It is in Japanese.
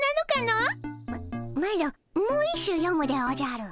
マロもう一首よむでおじゃる。